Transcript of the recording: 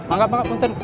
enggak pak kuntun